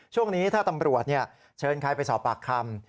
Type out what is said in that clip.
ช่วงนี้ถ้าตำรวจเชิญใครไปสอบปากคำ